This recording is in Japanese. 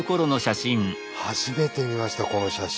初めて見ましたこの写真。